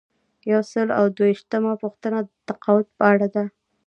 یو سل او دوه ویشتمه پوښتنه د تقاعد په اړه ده.